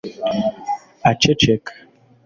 aceceka